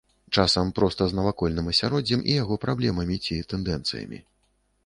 Часам проста з навакольным асяроддзем і яго праблемамі ці тэндэнцыямі.